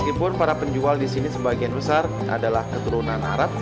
meskipun para penjual di sini sebagian besar adalah keturunan arab